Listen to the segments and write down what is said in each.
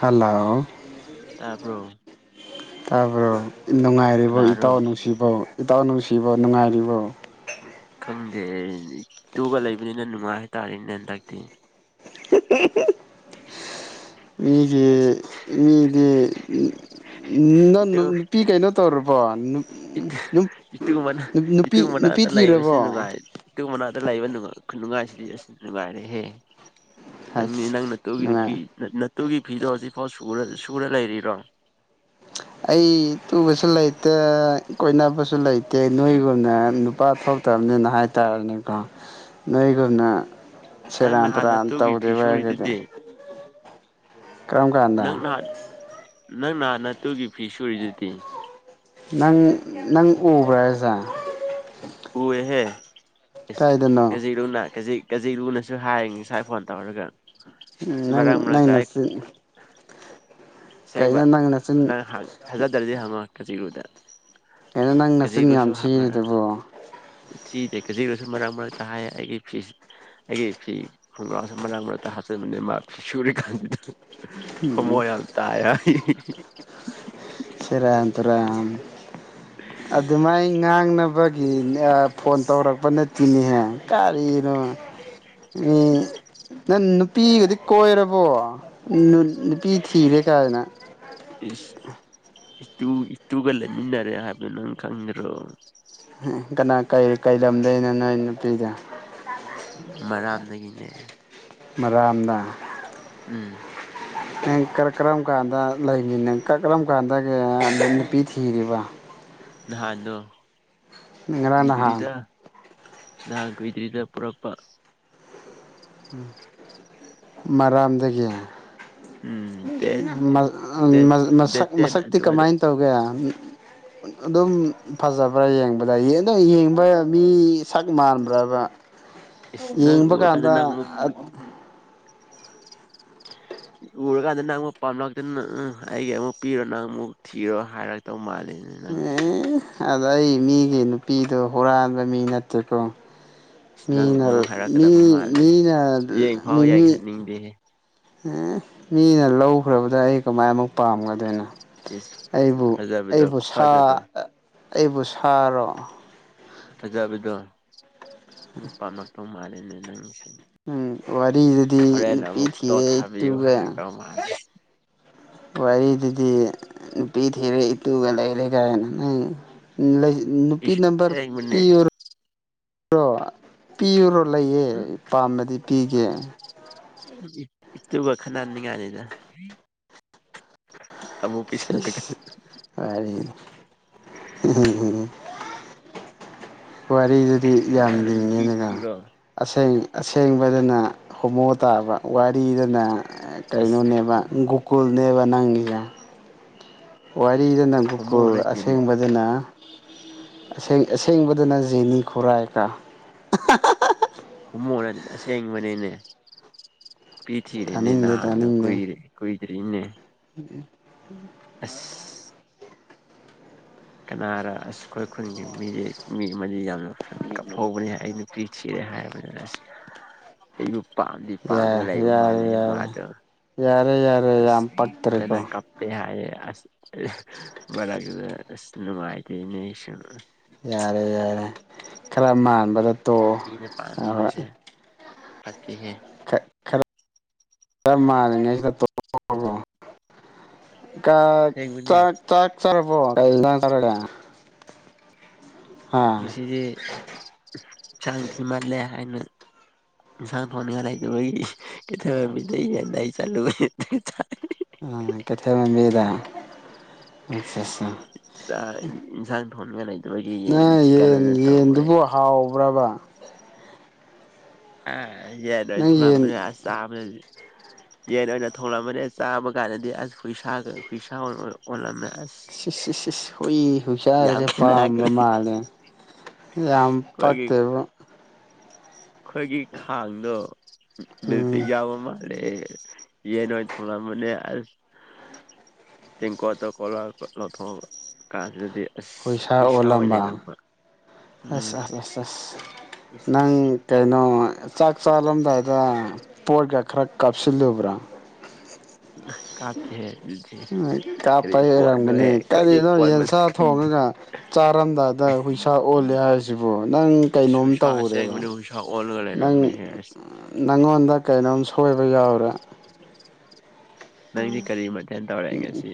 Hello ꯇꯕ꯭ꯔꯣ ꯇꯥꯄꯔ ꯅꯨꯡꯉꯥꯏꯔꯤꯕ ꯀꯅꯥꯔꯣ ꯏꯇꯥꯎ ꯅꯨꯡꯁꯤꯕ ꯏꯇꯥꯎ ꯅꯨꯡꯁꯤ ꯔꯨꯕꯣ ꯅꯨꯡꯉꯥꯏꯔꯤꯕ ꯈꯪꯗꯦ ꯇꯨꯒ ꯂꯩꯕꯅꯤꯅ ꯅꯨꯡꯉꯥꯏ ꯍꯥꯏꯇꯥꯔꯦꯅꯦ ꯍꯟꯗꯛꯇꯤ [inaudible] ꯑꯁ ꯃꯤꯒꯤ ꯃꯤꯗꯤ ꯅꯪ ꯅꯨꯄꯤ ꯀꯩꯅꯣ ꯇꯧꯔꯕꯣ ꯅꯨꯄꯤ ꯏꯇ ꯃꯅꯥ ꯏꯇꯨ ꯅꯨꯄꯤ ꯃꯅꯥꯛꯇ ꯂꯩꯕꯁꯤ ꯊꯤꯔꯕꯣ ꯅꯨꯡꯉꯥꯏ ꯏꯇ ꯃꯅꯥ ꯀꯅꯥꯗ ꯂꯩꯕ ꯅꯨꯡꯉꯥꯏꯁꯤꯗꯤ ꯑꯁ ꯅꯨꯡꯉꯥꯏꯔꯦꯍꯦ ꯅꯪꯅꯦ ꯑꯁ ꯅꯪ ꯅꯠꯇꯧꯒꯤ ꯅꯨꯄꯤ ꯅꯨꯡꯉꯥꯏ ꯅꯠ ꯅꯠ ꯑꯗꯨꯒꯤ ꯤꯗꯤꯑꯣ ꯍꯧꯖꯤꯛꯐꯥꯎ ꯁꯨꯔ ꯂꯩꯔꯤꯕꯔꯤꯔꯣ ꯑꯩ ꯇꯨꯕꯁꯨ ꯂꯩꯇꯦ ꯀꯣꯏꯅꯕꯁꯨ ꯂꯩꯇꯦ ꯅꯣꯏꯒꯅ ꯅꯨꯄꯥ ꯊꯣꯛꯇꯕꯅꯤꯅ ꯍꯥꯏꯇꯥꯔꯅꯦꯀꯣ ꯅꯣꯏꯒꯨꯝꯅ ꯅꯪ ꯁꯤꯔꯥꯟ ꯅꯍꯥꯟ ꯇꯨꯔꯥꯟ ꯅꯇꯨꯒꯤ ꯇꯧꯗꯦ ꯐꯤ ꯚꯥꯏ ꯑꯗꯨꯗꯤ ꯁꯨꯔꯤꯗꯨꯗꯤ ꯀꯔꯝ ꯀꯥꯟꯗ ꯅꯪ ꯅꯍꯥꯟ ꯅꯪ ꯅꯍꯥꯟꯅꯠꯇꯨꯒꯤ ꯐꯤ ꯁꯨꯔꯤꯗꯨꯗꯤ ꯅꯪ ꯅꯪ ꯎꯕ꯭ꯔꯥ ꯍꯥꯏꯖ ꯎ ꯑꯦꯍꯦ ꯑꯦꯁ ꯀꯥꯏꯗꯅꯣ ꯀꯖꯤꯛꯔꯣꯅꯥ ꯀꯖꯤꯛ ꯀꯖꯤꯔꯨꯅꯁꯨ ꯍꯥꯏꯌꯦ ꯉꯁꯥꯏ ꯐꯣꯟ ꯇꯧꯔꯒ ꯎꯝ ꯅꯪ ꯃꯔꯛ ꯅꯪ ꯃꯔꯛꯇ ꯅꯁꯤ ꯁꯦꯡꯕ ꯅꯪ ꯊꯥꯖꯗ꯭ꯔꯗꯤ ꯍꯪꯉꯣ ꯀꯖꯤꯔꯨꯗ ꯀꯩꯅꫭ ꯅꯪ ꯅꯆꯤꯟ ꯌꯥꯝ ꯊꯤꯔꯤꯗꯨꯕꯣ ꯊꯤꯗ ꯀꯦꯖꯤꯗꯁꯨ ꯃꯔꯥꯡ ꯃꯔꯛꯇ ꯍꯥꯏ ꯑꯩꯒꯤ ꯐꯤꯁ ꯑꯩꯒꯤ ꯐꯤ ꯈꯣꯡꯒ꯭ꯔꯥꯎꯁꯨ ꯃꯔꯥꯡ ꯃꯔꯛꯇ ꯍꯥꯞꯆꯟꯕꯅꯦ ꯃꯥ ꯐꯤꯁ ꯁꯨꯔꯤꯀꯥꯟꯗꯨꯗ ꯍꯌꯥꯜ ꯁꯤ ꯔꯝ ꯇꯔ ꯎꯝ ꯑꯗꯨꯃꯥꯏ ꯉꯥꯡꯅꯕ ꯐꯣꯟ ꯇꯧꯔꯛꯄ ꯅꯠꯇꯦꯅꯦꯍꯦ ꯀꯔꯤ ꯑ ꯅꯦ ꯀꯟꯅꯨ ꯄꯤꯒꯗꯤ ꯀꯣꯏꯔꯕꯣ ꯎꯠ ꯅꯨꯄꯤ ꯊꯤꯔꯦ ꯀꯥꯏꯅ ꯏꯁ ꯏꯇꯨ ꯏꯇꯨꯒ ꯂꯩꯃꯤꯟꯅꯔꯦ ꯍꯥꯏꯕꯗꯨ ꯅꯪ ꯈꯪꯗ꯭ꯔꯣ ꯀꯅꯥ ꯀꯩ ꯀꯩ ꯂꯝꯗꯩꯅꯣ ꯅꯣꯏ ꯅꯨꯄꯤꯗꫭ ꯃꯔꯥꯝꯗꯒꯤ ꯅꯦ ꯃꯔꯥꯝꯗꯥ ꯎꯝ ꯅꯪ ꯀꯔ ꯀꯔꯝ ꯀꯥꯟꯗ ꯂꯩꯔꯤ ꯅ ꯀꯔ ꯀꯔꯝ ꯀꯥꯟꯗ ‌ꯀꯩ ꯑ ꯅꯨꯄꯤ ꯊꯤꯔꯤꯕ ꯅꯍꯥꯟꯅꯣ ꯉꯔꯥꯡ ꯅꯍꯥꯟ ꯅꯍꯥꯟ ꯀꯨꯏꯗ꯭ꯔꯤꯗ ꯄꯨꯔꯛꯄ ꯃꯔꯥꯝꯗꯒꯤ ꯎꯝ ꯗꯦꯠ ꯃ ꯑ ꯗꯦꯠ ꯗꯦꯠ ꯃꯁꯛ ꯇꯦꯟ ꯃꯁꯛꯇꯤ ꯑꯗꯨꯋꯥꯏꯗ ꯀꯃꯥꯏꯅ ꯇꯧꯒꯦ ꯑꯗꯨꯝ ꯐꯖꯕ꯭ꯔꯥ ꯌꯦꯡ ꯕꯗꯥ ꯌꯦ ꯑꯗꯨꯝ ꯌꯦꯡꯕ ꯃꯤ ꯁꯛ ꯃꯥꯟꯕ꯭ꯔꯕ ꯏꯁ ꯅꯪ ꯌꯦꯡꯕ ꯎꯔꯀꯥꯟꯗ ꯀꯥꯟꯗ ꯅꯪ ꯑ ꯎꯔꯀꯥꯟꯗ ꯅꯪ ꯑꯃꯨꯛ ꯄꯥꯝꯂꯛꯇꯅ ꯎꯝ ꯑꯩꯒꯤ ꯑꯃꯨꯛ ꯄꯤꯔꯣ ꯅꯪ ꯑꯃꯨꯛ ꯊꯤꯔꯣ ꯍꯥꯏꯔꯛꯇꯧ ꯃꯥꯜꯂꯤ ꯑꯦ ꯑꯗ ꯑꯩ ꯃꯤꯒꯤ ꯅꯨꯄꯤꯗꯣ ꯍꯨꯔꯥꯟꯕ ꯃꯤ ꯅꯠꯇꯦꯀꯣ ꯑ ꯅꯪ ꯃꯤꯅ ꯑꯃꯨꯛ ꯃꯤ ꯍꯥꯏꯔꯛꯀꯗꯕ ꯃꯥꯜꯂꯦ ꯃꯤꯅ ꯌꯦꯡ ꯐꯥꯎ ꯌꯥꯏꯍꯟꯅꯤꯡꯗꯦ ꯍꯦ ꯑꯦ ꯃꯤꯅ ꯂꯧꯈ꯭ꯔꯕꯗ ꯑꯩ ꯀꯃꯥꯏꯃꯨꯛ ꯄꯥꯝꯒꯗꯣꯏꯅꯣ ꯏꯁ ꯑꯩꯕꯨ ꯐꯖꯕꯗꯣ ꯑꯩꯕꯨ ꯈꯨꯐꯖꯗꯣ ꯑꯩꯕꯨ ꯁꯥꯔꯣ ꯐꯖꯕꯗꫭ ꯃꯨꯛ ꯄꯥꯝꯃꯛꯇꯧ ꯃꯥꯜꯂꯦ ꯅꯪꯁꯤ ꯎꯝ ꯑꯣꯏ ꯅꯨꯗꯨꯗꯤ ꯅꯨꯄꯤ ꯑꯃꯨꯛ ꯐꯣꯇꯣ ꯊꯤꯔꯦ ꯊꯥꯕꯤꯌꯨ ꯏꯇꯨꯒ ꯍꯥꯏꯔꯛꯇꯧ ꯃꯥꯜꯂꯦ ꯋꯥꯔꯤꯗꯨꯗꯤ ꯅꯨꯄꯤ ꯊꯤꯔꯦ ꯏꯇꯨꯒ ꯂꯩꯔꯦ ꯀꯥꯏꯅ ꯅꯪ ꯅꯨꯄꯤ ꯏꯁ ꯅꯝꯕꯔ ꯑꯁꯦꯡꯕꯅꯦ ꯄꯤꯌꯨꯔꯣ ꯀꫭ ꯄꯤꯌꯨꯔꯣ ꯂꯩꯌꯦ ꯎꯝ ꯄꯥꯝꯃꯗꯤ ꯄꯤꯒꯦ ꯏꯇꯨꯒ ꯈꯠꯅꯍꯟꯅꯤꯡꯉꯥꯏꯅꯤꯗ ꯁꯤꯁ ꯋꯥꯔꯤꯗꯨꯗꯤ ꯌꯥꯝ ꯀꯅꯥꯔ ꯅꯨꯄꯤ ꯂꯤꯡꯉꯦꯅꯒ ꯊꯤꯔꯣ ꯑꯁꯦꯡ ꯑꯁꯦꯡꯕꯗꯅ ꯍꯣꯃꯣ ꯇꯥꯕ ꯋꯥꯔꯤꯗꯅ ꯏꯁ ꯀꯩꯅꯣꯅꯦꯕ ꯍꯣꯃꯣ ꯒꫭꯀꯨꯜ ꯅꯦꯕ ꯅꯪ ꯌꯥ ꯋꯥꯔꯤꯗꯅ ꯍꯣꯃꯣ ꯒꫭꯀꯨꯜ ꯅꯠꯇꯦꯅꯦ ꯑꯁꯦꯡꯕꯗꯅ ꯑꯁꯦꯡ ꯑꯁꯦꯡꯕꯗꯅ ꯖꯦꯅꯤ ꯈꯨꯔꯥꯏ ꯀ ꯍꯨꯝꯃꯨ ꯅꯠ ꯑꯁꯦꯡꯕꯅꯤꯅꯦ ꯄꯤ ꯊꯤꯔꯦꯅꯤ ꯇꯥꯅꯤꯡꯗꯦ ꯅꯍꯥꯟꯅ ꯇꯥꯅꯤꯡꯗꯦ ꯀꯨꯏꯔꯦ ꯀꯨꯏ ꯔꯤꯅꯦ [inaudible] ꯑꯁ ꯀꯅꯥꯔꯥ ꯑꯁ ꯑꯩꯈꯣꯏ ꯈꯨꯟꯁꯤ ꯃꯤꯁꯦ ꯃꯤ ꯃ ꯌꯥꯝ ꯅ ꯐꯗꯤ ꯀꯞ ꯍꯧꯕꯅꯦ ꯑꯩ ꯅꯨꯄꯤ ꯊꯤꯔꯦ ꯍꯥꯏꯔꯕꯅꯤꯅ ꯑꯁ ꯑꯩꯕꯨ ꯄꯥꯝꯗꯤ ꯄꯥꯝꯃꯒ ꯌꯥꯔꯦ ꯂꯩꯕ ꯌꯥꯔꯦ ꯃꯥꯜꯂꯦ ꯌꯥꯔꯦ ꯃꯥꯗꫭ ꯌꯥꯔꯦ ꯌꯥꯔꯦ ꯌꯥꯝ ꯑꯁ ꯑꯗꯨꯅ ꯄꯛꯇ꯭ꯔꯦꯀꯣ ꯀꯞꯄꯦ ꯍꯥꯏꯌꯦ ꯑꯁ ꯃꯥꯏꯗ ꯏ ꯌꯥꯔꯦ ꯌꯥꯔꯦ ꯈꯔ ꯃꯥꯟꯕꯗ ꯄꯤꯅ ꯇꯣꯛꯑꯣ ꯄꯥꯝꯕꯤꯕꯁꯦ ꯐꯠꯇꯦꯍꯦ ꯈ ꯈꯔ ꯈꯔ ꯃꯥꯟꯜꯂꯤꯉꯩꯁꯤꯗ ꯇꫭꯛꯍꯧꯔꫭ ꯀ ꯑꯁꯦꯡꯕꯅꯦ ꯆꯥꯛ ꯆꯥꯛ ꯆꯥꯔꯕꫭ ꯀꯩ ꯏꯟꯁꯥꯡ ꯆꯥꯔꯒꯦ ꯍꯥ ꯉꯁꯤꯗꯤ ꯆꯥꯡ ꯊꯤꯃꯜꯂꯦ ꯍꯥꯏꯅ ꯏꯟꯁꯥꯡ ꯊꫭꯡꯅꯤꯉꯥꯏ ꯂꯩꯇꯕꯒꯤ ꯀꯩꯊꯦꯜꯃꯥꯟꯕꯤꯗꯩ ꯌꯦꯟ ꯂꯩ ꯆꯠꯂꯨꯏ ꯗꯨꯒ ꯆꯥꯏ ꯑ ꯀꯩꯊꯦꯜꯃꯥꯟꯕꯤꯗ ꯑꯠꯁꯥ ꯑꯁꯥ ꯊꯣꯡꯅꯤꯉꯥꯏ ꯂꯩ ꯅꯪ ꯌꯦꯟ ꯌꯦꯟꯗꯨꯕꯨ ꯍꯥꯎꯕ꯭ꯔꯕ ꯑꯥ ꯑꯩ ꯌꯦꯟ ꯅꯣꯏ ꯅꯪ ꯌꯦꯟ ꯊꯣꯛꯂꯛꯕꯅꯦ ꯑꯁ ꯆꯥꯝꯅꯦ ꯌꯦꯟ ꯑꯣꯏꯅ ꯊꯣꯂꯝꯃꯅꯦ ꯆꯥꯕ ꯀꯥꯟꯗꯗꯤ ꯑꯁ ꯍꯨꯏꯁꯥ ꯒ ꯍꯨꯏꯁꯥ ꯑꫭꯏ ꯑꯣꯜꯂꯝꯃꯦ ꯑꯁ ꯁꯤ ꯁꯤ ꯁꯤꯁ ꯍꯨꯏ ꯍꯨꯁꯥ ꯌꯥꯝ ꯒꯁꯦ ꯄꯥꯝꯕ ꯈꯦꯠꯅꯈ꯭ꯔꯦ ꯃꯥꯜꯂꯦ ꯌꯥꯝ ꯑꯩꯈꯣꯏꯒꯤ ꯄꯛꯇꯕ ꯑꯩꯈꯣꯏꯒꯤ ꯈꯥꯡꯗꯣ ꯎꯝ ꯃꯦꯖꯤꯛ ꯌꯥꯕ ꯃꯥꯂꯦ ꯌꯦꯟ ꯑꯣꯏꯅ ꯊꯣꯡꯂꯝꯕꯅꯦ ꯑꯁ ꯇꯦꯡꯀꯣꯠꯇ ꯀꯣꯂꯄ ꯂꯧꯊꯣꯛꯄ ꯀꯥꯟꯗꯗꯤ ꯍꯨꯏꯁꯥ ꯑꯣꯜꯂꯝꯕ ꯑꯁ ꯎꯝ ꯑꯁ ꯑꯁ ꯑꯁ ꯏꯁ ꯅꯪ ꯏꯁ ꯀꯩꯅꯣ ꯑꯣ ꯆꯥꯛ ꯆꯥꯂꯝꯗꯥꯏꯗ ꯄꯣꯠꯒ ꯈꯔ ꯀꯥꯞꯁꯤꯜꯂꯨꯕ꯭ꯔꯣ ꯀꯥꯞꯇꯦꯍꯦ ꯑꯗꯨꯗꯤ ꯀꯔꯤ ꯀꯥꯞꯄꯩ ꯑꯣꯏꯔꯝꯒꯅꯤ ꯄꯣꯠꯅꯣꯍꯦ ꯀꯔꯤ ꯀꯔꯤꯅꯣ ꯄꯣꯠ ꯌꯦꯟꯁꯥ ꯃꯁꯛ ꯈꯪꯗꯦ ꯊꯣꯡꯉꯒ ꯆꯥꯔꯝꯗꯥꯏꯗ ꯍꯨꯏꯁꯥ ꯑꯣꯜꯂꯦ ꯍꯥꯏꯁꯤꯕꯨ ꯅꯪ ꯏꯁ ꯀꯩꯅꯣꯝ ꯎꯁꯥ ꯇꯧꯔꯦꯕ ꯑꯁꯦꯡꯕꯅꯤ ꯎꯁꯥ ꯑꯣꯜꯂꯒ ꯅꯪ ꯂꯩꯔꯝꯃꯦꯍꯦ ꯑꯁ ꯅꯪꯉꯣꯟꯗ ꯀꯩꯅꯣꯝ ꯁꯣꯏꯕ ꯌꯥꯎꯔꯦ [unintelligible] ꯅꯪꯗꯤ ꯀꯔꯤ ꯃꯊꯦꯟ ꯇꯧꯔꯦ ꯉꯁꯤ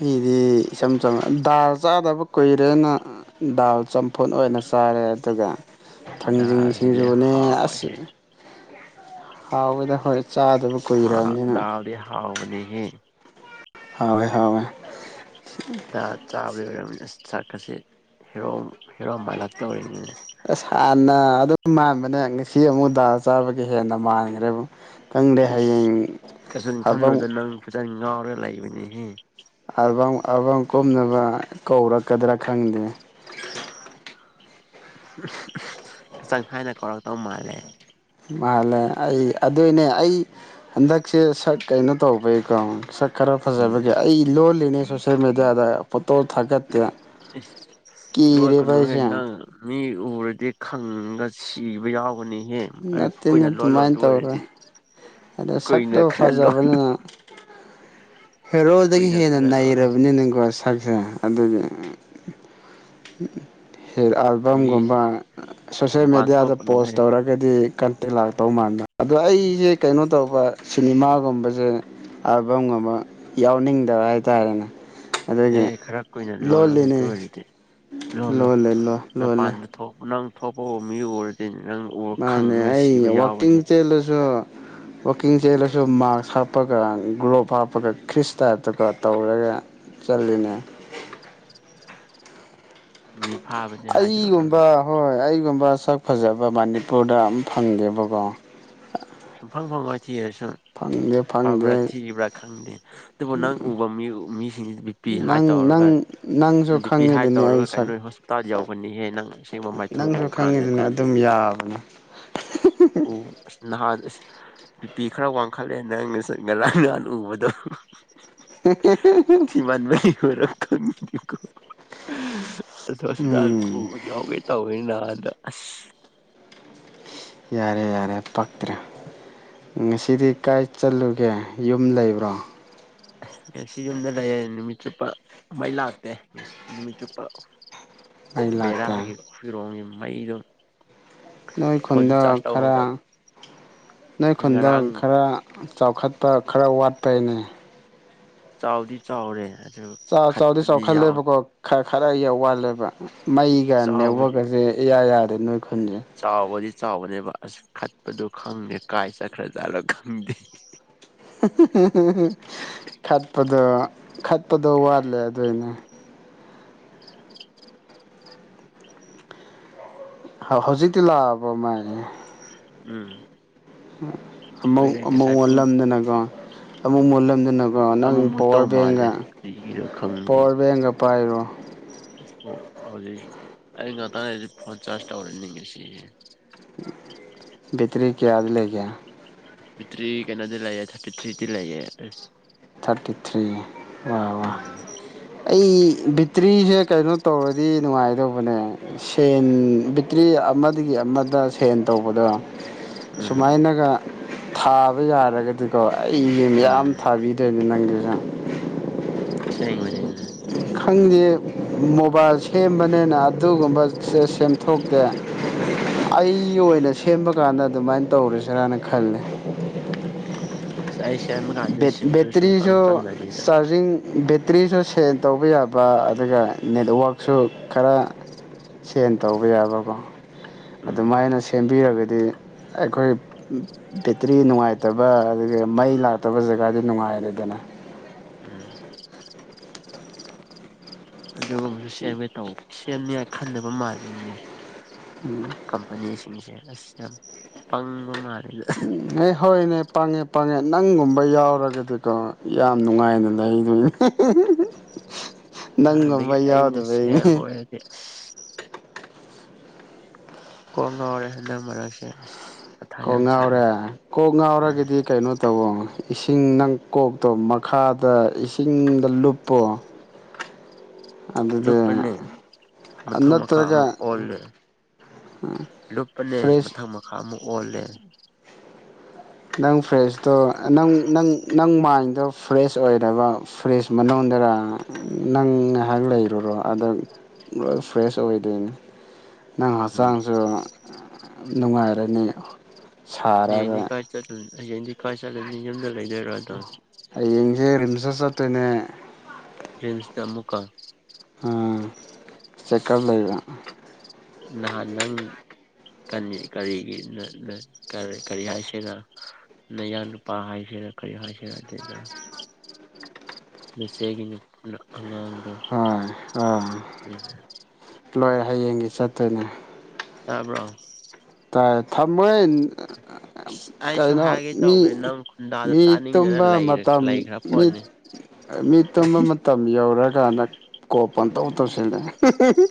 ꯑꯩꯗꯤ ꯏꯆꯝ ꯆꯝꯅ ꯗꯥꯜ ꯆꯥꯗꯕ ꯀꯨꯏꯔꯦꯅ ꯗꯥꯜ ꯆꯝꯐꯨꯠ ꯑꯣꯏꯅ ꯆꯥꯔꯦ ꯑꯗꯨꯒ ꯊꯥꯡꯖꯤꯡ ꯗꯥꯜꯁꯤꯗꯤ ꯁꯤꯡꯖꯨꯅꯦ ꯑꯁ ꯍꯥꯎꯋꯦꯍꯦ ꯍꯥꯎꯗ ꯍꯣꯏ ꯆꯥꯗꯕ ꯊꯥ ꯀꯨꯏꯔꯕꯅꯤꯅ ꯗꯗꯥꯗ ꯍꯥꯥꯎꯥꯎꯅꯦꯍ ꯍꯋꯦ ꯍꯦ ꯑꯥ ꯆꯥꯕꯗ ꯑꯣꯏꯔꯕꯅꯤꯅ ꯆꯥꯛꯀꯁꯦ ꯍꯦꯔꯣ ꯍꯦꯔꯣ ꯃꯜꯂꯛꯇ ꯑꯣꯏꯔꯤꯅꯤꯅꯦ ꯑ ꯁꯥꯟꯅ ꯑꯗꯨ ꯃꯥꯟꯕꯅꯦ ꯉꯁꯤ ꯑꯃꯨꯛ ꯗꯥꯜ ꯆꯥꯕꯒꯤ ꯍꯦꯟꯅ ꯃꯥꯟꯈ꯭ꯔꯦꯕꯨ ꯈꯪꯗꯦ ꯑꯁ ꯍꯌꯦꯡ ꯀꯖꯟ ꯑꯕꯪ ꯈꯪꯅꯨꯗ ꯅꯪ ꯐꯖꯅ ꯉꯥꯎꯔ ꯂꯩꯕꯅꯤ ꯎꯝ ꯑꯜꯕꯥꯝ ꯑꯜꯕꯥꯝ ꯀꯨꯝꯅꯕ ꯀꯧꯔꯛꯀꯗ꯭ꯔꯥ ꯈꯪꯗꯦ ꯆꯪ ꯊꯥꯏꯅ ꯀꯧꯔꯛꯇꯧ ꯃꯥꯜꯂꯦ ꯃꯥꯜꯂꯦ ꯑꯩ ꯑꯗꯨꯏꯅꯦ ꯑꯩ ꯍꯟꯗꯛꯁꯦ ꯁꯛ ꯀꯩꯅꯣ ꯇꯧꯕꯩꯀꯣ ꯁꯛ ꯈꯔ ꯎꯝ ꯐꯖꯕꯒꯦ ꯑꯩ ꯂꯣꯜꯂꯤꯅꯦ ꯁꯣꯁꯦꯜ ꯃꯦꯗꯤꯌꯥꯗ ꯇꯣ ꯊꯥꯒꯛꯇꯦ ꯂꯣꯠꯀꯅꯣꯍꯦ ꯅꯪ ꯃꯤ ꯎꯔꯗꯤ ꯈꯪꯉꯒ ꯁꯤꯕ ꯌꯥꯎꯒꯅꯤ ꯅꯠꯇꯦꯅ ꯑꯗꯨꯃꯥꯏꯅ ꯇꯧꯔꯣꯏ ꯑꯗ ꯀꯨꯏꯅ ꯁꯛꯇꯣ ꯈꯔ ꯂꯣꯠ ꯐꯖꯕꯅꯤꯅ ꯍꯦꯔꯣꯗꯒꯤ ꯀꯨꯏꯅ ꯍꯦꯟꯅ ꯈꯔ ꯂꯣꯜꯂꯣ ꯅꯩꯔꯕꯅꯤꯅꯀꯣ ꯁꯛꯁꯦ ꯑꯗꯨꯅꯦ [unintelligible] ꯍꯦꯠ ꯃꯤꯁꯦ ꯑꯜꯕꯝꯒꯨꯝꯕ ꯁꯣꯁꯦꯜ ꯃꯄꯥꯟ ꯃꯦꯗꯤꯌꯥꯗ ꯄꯣꯁ ꯊꯣꯛꯀꯅꯨꯍꯦ ꯇꯧꯔꯒꯗꯤ ꯀꯟꯇꯦꯛ ꯂꯥꯛꯇꯧ ꯃꯥꯟꯥꯟꯕ ꯑꯗꯣ ꯑꯩꯁꯦ ꯀꯩꯅꯣ ꯇꯧꯕ ꯍꯣꯏ ꯁꯤꯅꯤꯃꯥꯒꯨꯝꯕꯁꯦ ꯑꯜꯕꯝꯒꯨꯝꯕ ꯌꯥꯎꯅꯤꯡꯗꯕ ꯍꯥꯏꯇꯥꯔꯦꯅꯦ ꯑꯗꯨꯒꯤ ꯑꯦ ꯈꯔ ꯀꯨꯏꯅ ꯂꯣꯜꯂꯣꯍꯦ ꯑꯗꯨ ꯑꯣꯏꯔꯗꯤ ꯂꯣꯂꯦ ꯂꯣ ꯂꯣꯂꯦ ꯍꯪ ꯊꯣꯄ ꯃꯤ ꯑꯨꯔꯗꯤ ꯃꯥꯅꯦ ꯑꯩ ꯋꯥꯛꯀꯤꯡ ꯌꯥꯎꯒꯅꯤ ꯆꯦꯜꯂꯁꯨ ꯋꯥꯛꯀꯤꯡ ꯆꯦꯜꯂꯁꯨ ꯃꯥꯛꯁ ꯍꯥꯞꯄꯒ ꯒ꯭ꯂꯣꯞ ꯍꯥꯞꯄꯒ ꯈ꯭ꯔꯤꯁ ꯇꯥꯏꯞꯇꯒ ꯇꯧꯔꯒ ꯆꯜꯂꯤꯠꯅꯦ ꯃꯤ ꯐꯥꯕꯅꯦ ꯍꯥꯏꯗ꯭ꯔꯣ ꯅꯪ ꯑꯩꯒꯨꯝꯕ ꯍꯣꯏ ꯑꯩꯒꯨꯝꯕ ꯁꯛ ꯐꯖꯕ ꯃꯅꯤꯄꯨꯔꯗ ꯑꯃꯝ ꯐꯪꯒꯦꯕꯀꯣ ꯁꯨꯛ ꯐꯪ ꯐꯪꯉ‌ꯣꯏ ꯊꯤꯔꯁꯨ ꯐꯪꯗꯦ ꯐꯕ꯭ꯔꯥ ꯐꯪꯗꯦ ꯊꯤꯕ꯭ꯔꯥ ꯈꯪꯗꯦ ꯑꯗꯨꯕꯨ ꯅꯪ ꯎꯕ ꯃꯤ ꯃꯤꯁꯤꯡꯁꯤ ꯕꯤꯄꯤ ꯍꯥꯏ ꯅꯪ ꯇꯧꯔꯒ ꯅꯪ ꯅꯪꯁꯨ ꯕꯤꯄꯤ ꯍꯥꯏ ꯈꯪꯉꯤꯗꯨꯅꯤ ꯑꯩ ꯇꯧꯔꯒ ꯀ ꯁꯛ ꯅꯣ ꯍꯣꯁꯄꯤꯇꯥꯜ ꯌꯧꯒꯅꯤꯍꯦ ꯅꯪ ꯑꯁꯦꯡꯕ ꯃꯥꯏꯊꯣꯡ ꯅꯪꯁꯨ ꯎꯕ ꯈꯪꯉꯤꯗꯨꯅꯤ ꯀꯥꯟꯗꯗꯤ ꯑꯗꯨꯝ ꯌꯥꯕꯅꯦ ꯑꯣ ꯅꯍꯥꯟ ꯑꯁ ꯕꯤꯄꯤ ꯈꯔ ꯋꯥꯡꯈꯠꯂꯦ ꯅꯪ ꯉꯂꯥꯡ ꯉꯍꯥꯟ ꯎꯕꯗꯣ ꯏꯥꯟ ꯃ ꯑꯣꯏꯔꯣ [unintelligible] ꯑꯍ ꯍꯣꯁꯄꯤꯇꯥꯜ ꯎꯝ ꯄꯨꯕ ꯌꯥꯎꯒꯦ ꯇꯧꯋꯅꯤꯟ ꯗ ꯑꯁ ꯌꯥꯔꯦ ꯌꯥꯔꯦ ꯄꯛꯇ꯭ꯔꯦ ꯉꯁꯤꯗꯤ ꯀꯥꯏ ꯆꯠꯂꯨꯒꯦ ꯌꯨꯝ ꯂꯩꯕ꯭ꯔꯣ ꯉꯁꯤ ꯌꯨꯝꯗ ꯂꯩꯔꯦ ꯅꯨꯃꯤꯠ ꯆꯨꯞꯄ ꯃꯩ ꯂꯥꯛꯇꯦ ꯅꯨꯃꯤꯠ ꯆꯨꯞꯄ ꯑꯩ ꯂꯥꯛꯇꯦ ꯕ‌ꯦꯔꯥꯒꯦ ꯐꯤꯔꯣꯡꯒꯦ ꯃꯩꯗꯨꯝ ꯅꯣꯏ ꯈꯨꯟꯗ ꯈꯔ ꯅꯣꯏ ꯈꯨꯟꯗ ꯉꯔꯥꯡ ꯈꯔ ꯆꯥꯎꯈꯠ ꯇ ꯈꯔ ꯋꯥꯠꯄꯩꯅꯦ ꯆꯥꯎꯗꯤ ꯆꯥꯎꯔꯦ ꯑꯗꯨ ꯆꯥꯎꯗꯤ ꯈꯠꯄꯗꯤ ꯌꯥꯎ ꯆꯥꯎꯈꯠꯂꯦꯕꯀꯣ ꯈꯔ ꯈꯔ ꯌꯥꯝ ꯋꯥꯜꯂꯦꯕ ꯃꯩꯒ ꯅꯦꯠꯋꯔꯛ ꯑꯁꯦ ꯑꯦꯌꯥꯌꯥ ꯑꯗꯨ ꯆꯥꯎꯥꯕꯗꯤ ꯆꯥꯎꯕꯅꯦꯕ ꯑꯁ ꯈꯠꯄꯗꯨꯣ ꯈꯪꯉꯦ ꯀꯥꯏ ꯆꯠꯈ꯭ꯔ ꯆꯠꯂ ꯈꯪꯗꯦ ꯈꯠꯄꯗꯣ ꯈꯠꯄꯗꯣ ꯋꯥꯠꯂꯦ ꯑꯗꯨꯏꯅꯦ ꯍꯧ ꯍꯧꯖꯤ ꯇ ꯂꯥꯕ ꯃꯥꯏ ꯎꯝ ꯎꯝ ꯑꯃꯧ ꯀꯨꯏꯔꯦ ꯑꯃꯧ ꯉꯁꯥꯏ ꯄꯨꯡ ꯑꯣꯜꯂꯝꯗꯅꯀꯣ ꯑꯃꯨꯛ ꯃꯣꯜꯂꯝꯗꯅꯕ ꯑꯣ ꯅꯪ ꯑꯃꯃꯨꯛ ꯄꯋꯥꯔ ꯇꯧ ꯃꯥꯜꯂꯦ ꯕꯦꯡꯒ ꯀꯔꯤꯒꯤꯔ ꯈꯪꯗꯦ ꯄꯋꯥꯔ ꯕꯦꯡꯒ ꯄꯥꯏꯔꯣ ꯑꯣ ꯍꯧꯖꯤꯛ ꯑꯩ ꯉꯥꯛꯇꯥꯡꯁꯤ ꯐꯣꯟ ꯆꯥꯔꯖ ꯇꯧꯔꯅꯤꯡꯉꯦ ꯁꯤꯁꯦ ꯕꯤꯛꯇ꯭ꯔꯤ ꯀꯌꯥ ꯑꯗꯂꯦꯛꯒ ꯐꯇ꯭ꯔꯤ ꯀꯩꯅꯗꯤ ꯂꯥꯏꯌꯦ ꯊꯥꯔꯇꯤ ꯊ꯭ꯔꯤꯗꯤ ꯂꯥꯏꯌꯦ ꯊꯥꯔꯇꯤ ꯊ꯭ꯔꯤ ꯋꯥ ꯋꯥ ꯎꯝ ꯑꯩ ꯕꯤꯇ꯭ꯔꯤꯁꯦ ꯀꯩꯅꯣ ꯇꯧꯔꯗꯤ ꯅꯨꯡꯉꯥꯏꯗꯧꯕꯅꯦ ꯁꯦꯟ ꯕꯤꯇ꯭ꯔꯤ ꯑꯃꯗꯒꯤ ꯑꯃꯗ ꯁꯦꯟ ꯇꯧꯕꯗꯣ ꯎꯝ ꯁꯨꯃꯥꯏꯅꯒ ꯊꯥꯕ ꯌꯥꯔꯒꯗꯤꯀꯣ ꯑꯩꯖꯦ ꯌꯥꯝ ꯎꯝ ꯊꯥꯕꯤ ꯅꯪꯒꯤꯔ ꯑꯁꯦꯡꯕꯅꯤꯅꯦ꯫ ꯈꯪꯗꯦ ꯃꯣꯕꯥꯏꯜ ꯁꯦꯝꯕꯅꯤꯅ ꯑꯗꯨꯒꯨꯝꯕ ꯁꯦꯝꯊꯣꯛꯇꯦ ꯑꯩꯒꯤ ꯑꯣꯏꯅ ꯁꯦꯝꯕ ꯀꯥꯟꯗ ꯑꯗꯨꯃꯥꯏꯅ ꯇꯧꯔꯖꯤꯔꯥꯅ ꯈꯜꯂꯤ꯫ ꯑꯩꯥꯏꯁ ꯕꯦ ꯕꯦꯇꯔꯤꯁꯨ ꯆꯥꯖꯤꯡ ꯕꯦ ꯕꯦꯠꯇ꯭ꯔꯤꯖꯨ ꯁꯦꯟ ꯇꯧꯕ ꯌꯥꯕ ꯑꯗꯨꯒ ꯅꯦꯠꯋꯥꯛꯁꯨ ꯈꯔ ꯁꯦꯟ ꯇꯧꯕ ꯌꯥꯕꯀꯣ꯫ ꯎꯝ ꯑꯗꯨꯃꯥꯏꯅ ꯁꯤ ꯁꯦꯝꯕꯤꯔꯒꯗꯤ ꯑꯩꯈꯣꯏ ꯕꯦꯇ꯭ꯔꯤ ꯅꯨꯡꯉꯥꯏꯇꯕ ꯑꯗꯨꯒ ꯃꯩ ꯂꯥꯛ ꯇꯕ ꯖꯒꯥꯗꯤ ꯅꯨꯡꯉꯥꯏꯔꯦꯗꯅ꯫ ꯎꯝ ꯑꯗꯨꯒꯨꯝꯕꯖꯨ ꯁꯦꯝꯒꯦ ꯇꯧꯕ ꯁꯦꯝꯅꯤꯉꯥꯏ ꯈꯟꯗꯕ ꯃꯥꯜꯂꯤꯅꯦ꯫ ꯀꯝꯄꯅꯤꯁꯤ꯫ [unintelligible] ꯄꯪꯕ ꯃꯥꯜꯂꯤꯗ ꯑꯦ ꯍꯣꯏꯅꯦ ꯄꯪꯉꯦ ꯄꯪꯉꯦ ꯅꯪꯒꯨꯝꯕ ꯌꯥꯎꯔꯒꯗꯤꯀꯣ ꯌꯥꯝ ꯅꯨꯡꯉꯥꯏꯅ ꯂꯩꯗꯣꯏꯅꯦ꯫ ꯑꯗꯒꯤ ꯅꯪꯒꯨꯝꯕ ꯌꯥꯎꯗꯕꯩꯅꯦ ꯑꯩꯅꯁꯦꯝꯕ ꯑꯣꯏꯔꯗꯤ꯫ ꯀꯣꯛ ꯉꯥꯎꯔꯦ ꯍꯟꯗꯛꯃꯔꯛꯁꯦ꯫ ꯀꯣꯛ ꯉꯥꯎꯔꯦ ꯀꯣꯛ ꯎꯝ ꯉꯥꯎꯔꯒꯗꯤ ꯀꯩꯅꯣ ꯇꯧꯋꯣ ꯏꯁꯤꯡ ꯏꯁꯤꯡ ꯅꯪ ꯀꯣꯛꯇꯣ ꯃꯈꯥꯗ ꯏꯁꯤꯡꯗ ꯂꯨꯞꯄꯣ꯫ ꯑꯗꯨꯗ ꯂꯨꯞꯄꯅꯦ ꯃꯊꯛ ꯃꯈꯥ ꯑꯃꯨꯛ ꯅꯠꯇ꯭ꯔꯒ ꯑꯣꯜꯂꯦ ꯂꯨꯞꯄꯅꯦ ꯐ꯭ꯔꯦꯁ ꯃꯊꯛ ꯃꯈꯥ ꯑꯃꯨꯛꯦ ꯑꯣꯜꯂꯦ꯫ ꯅꯪ ꯐ꯭ꯔꯤꯁꯇꯣ ꯅꯪ ꯅꯪ ꯅꯪ ꯃꯥ ꯃꯥꯏꯟꯗꯣ ꯐ꯭ꯔꯦꯁ ꯑꯣꯏꯔꯕ ꯐ꯭ꯔꯤꯖ ꯃꯅꯨꯡꯗꯔ ꯅꯪ ꯉꯩꯏꯍꯥꯛ ꯂꯩꯔꯨꯔꯣ ꯑꯗꯣ ꯂꯣꯏ ꯐ꯭ꯔꯦꯁ ꯑꯣꯏꯗꯣꯏꯅꯤ꯫ ꯅꯪ ꯈꯪꯗꯦ ꯍꯛꯆꯥꯡꯁꯨ꯫ ꯅꯨꯡꯉꯥꯏꯔꯅꯤ꯫ ꯁꯥꯔꯒ ꯎꯝ ꯍꯌꯦꯡꯗꯤ ꯀꯥꯏ ꯆꯠꯂꯅꯤ ꯌꯨꯝꯗ ꯂꯩꯗꯣꯏꯔꯣ ꯑꯗꯨꯝ꯫ ꯗ ꯆꯠꯇꯣꯏꯅꯦ ꯫ ꯔꯤꯝꯁꯇ ꯑꯃꯨꯛꯀ ꯎꯝ ꯆꯦꯛꯀꯞ ꯂꯩꯕ ꯅꯍꯥꯟ ꯅꯪ꯫ ꯀꯟꯅꯤ ꯀꯔꯤꯒꯤ ꯔ ꯔ ꯀ ꯀꯔꯤ ꯍꯥꯏꯁꯤꯔ ꯅꯌꯥ ꯅꯨꯄꯥ ꯍꯥꯏꯁꯤꯔꯥ ꯀꯔꯤ ꯍꯥꯏꯁꯤꯔꯥ ꯑꯗꯨꯗꯣ ꯆꯦꯆꯦꯒꯤ ꯅꯨꯄꯅ ꯑꯉꯥꯡꯗꯣ꯫ ꯍꯣꯏ ꯍꯣꯏ ꯂꯣꯏꯔꯦ ꯍꯌꯦꯡꯒꯤ ꯆꯠꯇꯣꯏꯅꯦ꯫ ꯇꯕ꯭ꯔꯣ꯫ ꯇꯥꯏ ꯊꯝꯃꯣꯏ꯫ ꯑꯩꯁꯨ ꯀꯩꯅꯣ ꯍꯥꯏꯒꯦ ꯃꯤ ꯇꯧꯕꯅꯦ ꯅꯪ ꯈꯨꯟꯗꯥꯗꯣ ꯃꯤ ꯇꯥꯅꯤꯡꯗꯅ ꯇꯨꯝꯕ ꯂꯩꯔ ꯃꯇꯝ ꯂꯩꯈ꯭ꯔ ꯃꯤ ꯄꯣꯠꯅꯤ ꯃꯤ ꯇꯨꯝꯕ ꯃꯇꯝ ꯌꯧꯔ ꯑꯀꯅꯛ ꯎꯝ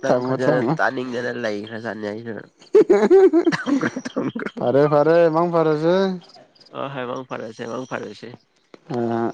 ꯅꯪ ꯊꯝꯃꯣ ꯈꯖ ꯊꯝꯃꯣ ꯇꯥꯅꯤꯡꯗꯅ ꯂꯩꯈ꯭ꯔ ꯆꯥꯅꯤ ꯑꯩ ꯐꯔꯦ ꯐꯔꯦ ꯃꯥꯥꯡ ꯐꯔꯦꯁꯦ ꯐꯔꯗꯦꯁꯦ ꯑ